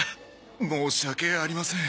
申し訳ありません。